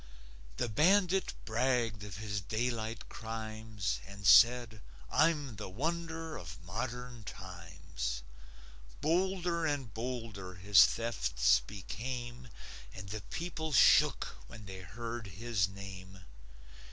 The bandit bragged of his daylight crimes And said: "I'm the wonder of modern times." Bolder and bolder his thefts became, And the people shook when they heard his name.